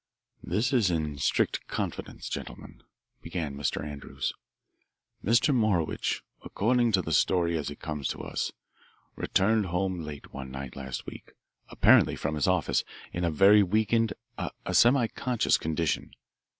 "This is in strict confidence, gentlemen," began Mr. Andrews. "Mr. Morowitch, according to the story as it comes to us, returned home late one night last week, apparently from his office, in a very weakened, a semiconscious, condition.